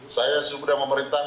saya sudah memerintahkan